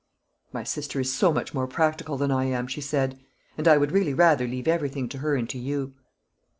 "My sister is so much more practical than I am," she said, "and I would really rather leave everything to her and to you."